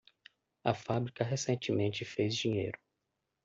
A fábrica recentemente fez dinheiro